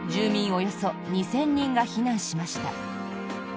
およそ２０００人が避難しました。